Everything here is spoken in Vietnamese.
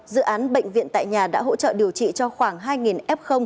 dự án bệnh viện tại nhà đã hỗ trợ điều trị cho khoảng hai f